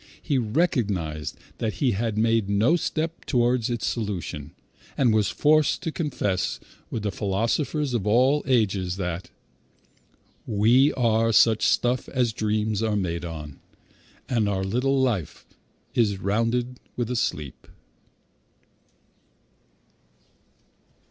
He recognized that he had made no step toward its solution, and was forced to confess with the philosophers of all ages that "We are such stuff As dreams are made on, and our little life Is rounded with a sleep."